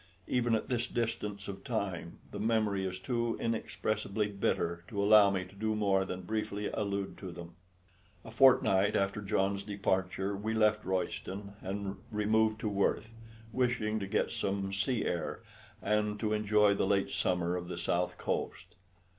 Even at this distance of time the memory is too inexpressibly bitter to allow me to do more than briefly allude to them. A fortnight after John's departure, we left Royston and removed to Worth, wishing to get some sea air, and to enjoy the late summer of the south coast.